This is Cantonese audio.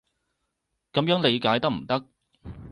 噉樣理解得唔得？